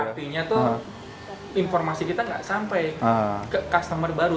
betul artinya itu informasi kita tidak sampai ke customer baru